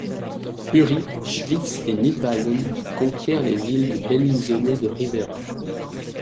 Uri, Schwytz et Nidwalden conquiert les villes de Bellinzone de Rivera.